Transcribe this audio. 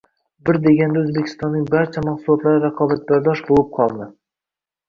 Bir deganda O‘zbekistonning barcha mahsulotlari raqobatbardosh bo‘lib qoldi.